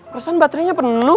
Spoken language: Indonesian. perlu kan baterainya penuh